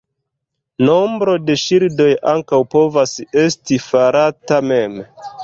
Nombro de ŝildoj ankaŭ povas esti farata mem.